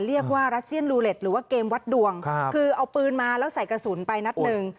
รัสเซียนลูเล็ตหรือว่าเกมวัดดวงคือเอาปืนมาแล้วใส่กระสุนไปนัดหนึ่ง